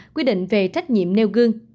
quy định về trách nhiệm nêu gương